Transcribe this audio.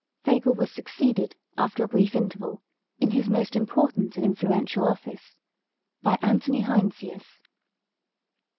Fagel was succeeded, after a brief interval, in his most important and influential office by Antony Heinsius.